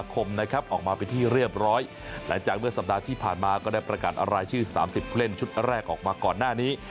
ออกมาเป็นที่เรียบร้อยหลังจากเมื่อสัปดาห์ที่ผ่านมาก็ได้ประกาศรายชื่อ๓๐ผู้เล่นชุดแรกออกมาก่อนหน้านี้